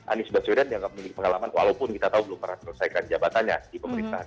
anies baswedan dianggap memiliki pengalaman walaupun kita tahu belum pernah selesaikan jabatannya di pemerintahan